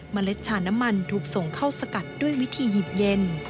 เล็ดชาน้ำมันถูกส่งเข้าสกัดด้วยวิธีหยิบเย็น